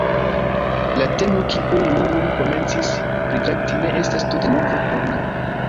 La temo, kiun ni nun komencis pritrakti, ne estas tute nova por ni.